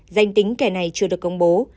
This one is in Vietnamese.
danh tính kẻ này chưa được công bố